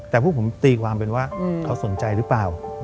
แต่พวกผมตีความเป็นว่าเขาสนใจหรือเปล่า